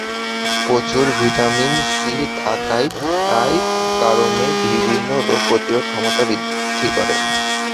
প্রচুর vitamin C থাকায় কারণে বিভিন্ন রোগ প্রতিরোধ ক্ষমতা বৃদ্ধি করে।